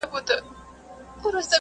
زه به سبا پلان جوړ کړم!!